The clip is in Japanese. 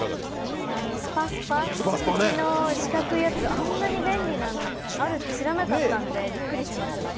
スパスパ、プチプチの四角いやつ、あんな便利なのあるって知らなくてびっくりしましたね。